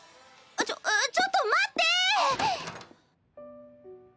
あっちょちょっと待って！